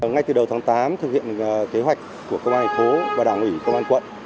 ngay từ đầu tháng tám thực hiện kế hoạch của công an thành phố và đảng ủy công an quận